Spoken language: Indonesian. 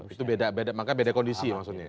itu beda makanya beda kondisi maksudnya ya